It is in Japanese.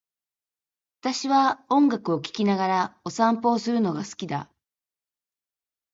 私は音楽を聴きながらお散歩をするのが好きだ。